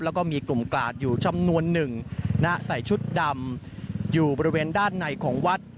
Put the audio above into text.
แล้วก็มีกลุ่มกราดอยู่จำนวนหนึ่งณใส่ชุดดำอยู่บริเวณด้านในของวัด